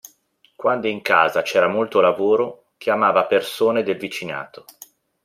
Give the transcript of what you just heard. Quando in casa c'era molto lavoro chiamava persone del vicinato.